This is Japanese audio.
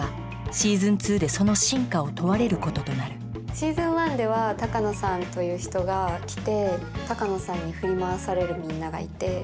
シーズン１では鷹野さんという人が来て鷹野さんに振り回されるみんながいて。